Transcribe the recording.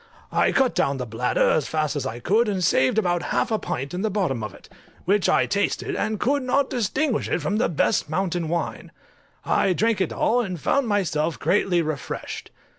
I cut down the bladder as fast as I could, and saved about half a pint in the bottom of it, which I tasted, and could not distinguish it from the best mountain wine. I drank it all, and found myself greatly refreshed.